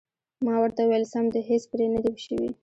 ما ورته وویل: سم دي، هېڅ پرې نه دي شوي.